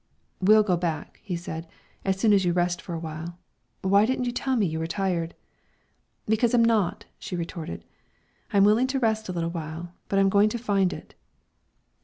"We'll go back," he said, "as soon as you rest for a little while. Why didn't you tell me you were tired?" "Because I'm not," she retorted. "I'm willing to rest a little while, but I'm going to find it."